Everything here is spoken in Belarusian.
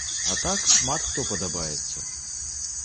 А так шмат хто падабаецца.